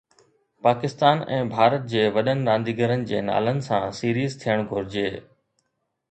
پاڪستان ۽ ڀارت جي وڏن رانديگرن جي نالن سان سيريز ٿيڻ گهرجي